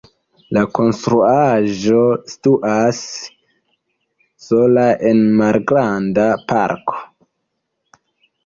La konstruaĵo situas sola en malgranda parko.